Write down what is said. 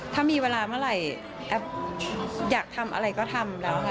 ถ้ามีเวลาเมื่อไหร่แอฟอยากทำอะไรก็ทำแล้วค่ะ